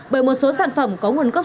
bởi một số sản phẩm có nguồn gốc